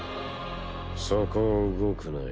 そこを動くなよ